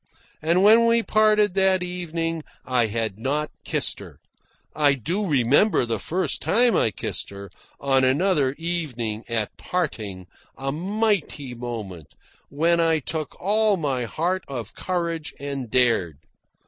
And when we parted that evening I had not kissed her. I do remember the first time I kissed her, on another evening, at parting a mighty moment, when I took all my heart of courage and dared.